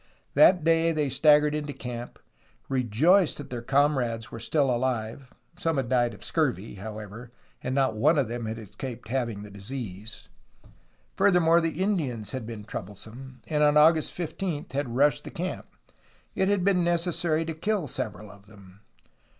That day they staggered into camp, rejoiced that their comrades were still alive. Some had died of the scurvy, however, and not one of them had escaped having the disease. Furthermore, the Indians had been troublesome, and on August 15 had rushed the camp. It had been necessary to kill several of them.